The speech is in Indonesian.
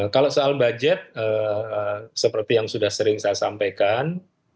kalau soal budget seperti yang sudah sering saya sampaikan